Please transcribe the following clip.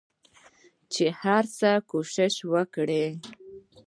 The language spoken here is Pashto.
چې هرڅه کوښښ وکړ